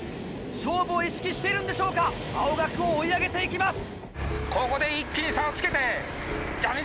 勝負を意識しているんでしょうか青学を追い上げて行きます。